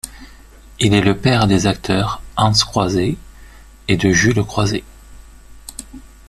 Il est le père des acteurs Hans Croiset et de Jules Croiset.